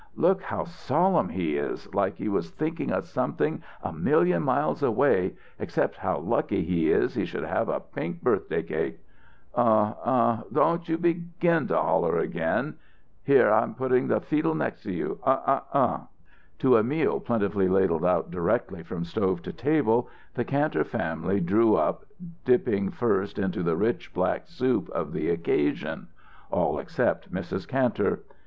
"Look how solemn he is, like he was thinking of something a million miles away except how lucky he is he should have a pink birthday cake! Uh uh uh! Don't you begin to holler again Here, I'm putting the feedle next to you uh uh uh!" To a meal plentifully ladled out directly from stove to table, the Kantor family drew up, dipping first into the rich black soup of the occasion. All except Mrs. Kantor.